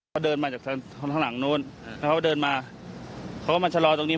เขาเดินมาจากข้างหลังนู้นแล้วเขาก็เดินมาเขาก็มาชะลอตรงนี้